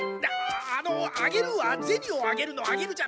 あの「あげる」は「ゼニをあげる」の「あげる」じゃなくて。